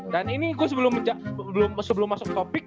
dan ini gue sebelum masuk topik